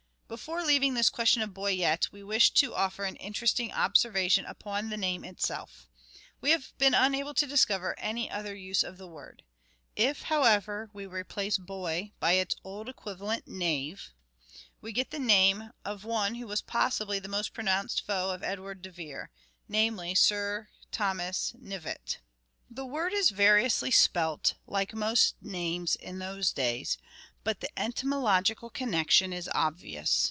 Sir Thomas Before leaving this question of " Boyet " we wish to offer an interesting observation upon the name itself. We have been unable to discover any other use of the word. If, however, we replace " Boy " by its old equivalent " Knave " we get the name of one who was possibly the most pronounced foe of Edward de Vere, namely Sir Thomas Knyvet ; the word is variously spelt, like most names in those days, but the etymo logical connection is obvious.